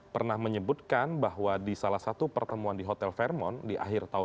pernah menyebutkan bahwa di salah satu pertemuan di hotel fairmont di akhir tahun dua ribu dua